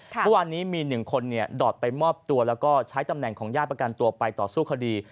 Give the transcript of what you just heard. เมื่อวานนี้มี๑คนดอดไปมอบตัวแล้วก็ใช้ตำแหน่งของญาติประกันตัวไปต่อสู้คดี